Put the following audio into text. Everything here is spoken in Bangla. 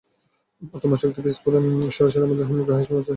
তোমার শক্তির বিস্ফোরণ সরাসরি আমার হোম গ্রহে এসে পৌঁছায়।